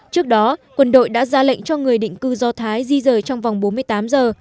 trước đó quân đội đã ra lệnh cho người định cư do thái di rời trong vòng bốn mươi tám giờ